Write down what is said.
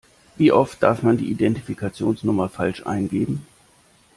Wie oft darf man die Identifikationsnummer falsch eingeben?